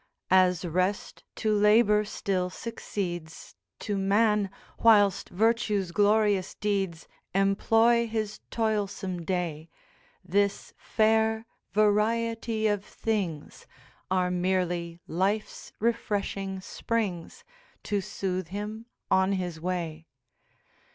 'As rest to labour still succeeds, To man, whilst virtue's glorious deeds Employ his toilsome day, This fair variety of things Are merely life's refreshing springs, To sooth him on his way.